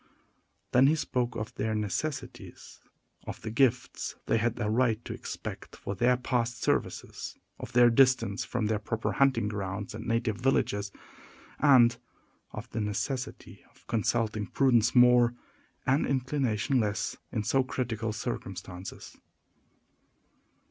Then he spoke of their necessities; of the gifts they had a right to expect for their past services; of their distance from their proper hunting grounds and native villages; and of the necessity of consulting prudence more, and inclination less, in so critical circumstances.